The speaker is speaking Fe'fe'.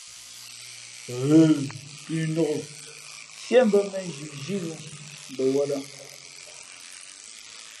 Ghə pʉnok siē mbᾱ mēnzhi zhínu bαwᾱlᾱ.